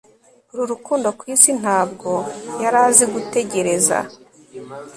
uru rukundo, kwisi, ntabwo yari azi gutegereza